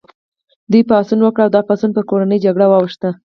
دوی پاڅون وکړ او دا پاڅون پر کورنۍ جګړې واوښت.